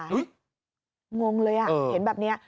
เห้ยงงเลยอะเห็นแบบเนี้ย